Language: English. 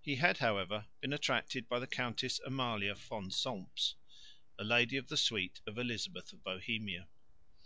He had, however, been attracted by the Countess Amalia von Solms, a lady of the suite of Elizabeth of Bohemia.